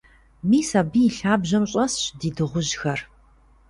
Мис абы и лъабжьэм щӀэсщ ди дыгъужьхэр.